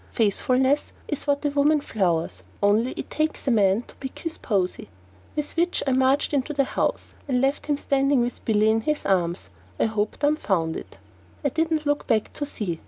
"Faithfulness is what a woman flowers, only it takes a man to pick his posy." With which I marched into the house and left him standing with Billy in his arms, I hope dumbfounded. I didn't look back to see.